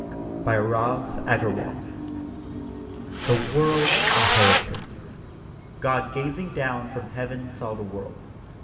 THE WORLD'S INHERITORS God gazing down from Heaven saw the World.